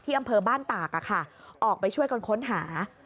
อำเภอบ้านตากออกไปช่วยกันค้นหา